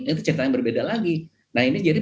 itu cerita yang berbeda lagi nah ini jadi